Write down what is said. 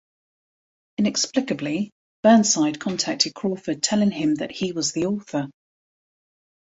Inexplicably, Burnside contacted Crawford telling him that he was the author.